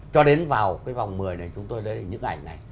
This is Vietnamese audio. cho đến vào cái vòng một mươi này chúng tôi lấy những ảnh này